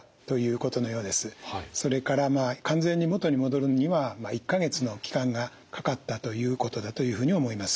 それから完全に元に戻るのには１か月の期間がかかったということだというふうに思います。